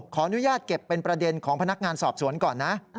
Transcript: ขออนุญาตเก็บเป็นประเด็นของพนักงานสอบสวนก่อนนะ